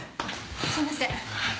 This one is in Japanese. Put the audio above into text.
すいません。